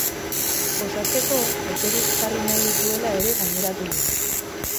Osatzeko eperik jarri nahi ez duela ere gaineratu du.